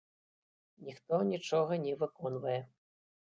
Ніхто нічога не выконвае.